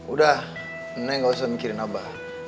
udah neng gak usah mikirin apa